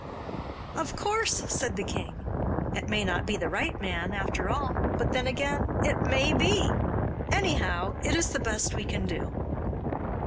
'Of course,' said the king, 'it may not be the right man, after all, but then again it MAY be. Anyhow, it is the best we can do.